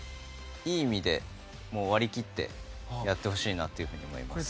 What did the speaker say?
いい意味で、割り切ってやってほしいなと思います。